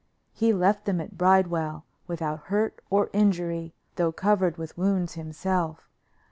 He left them at Bridewell without hurt or injury, though covered with wounds himself.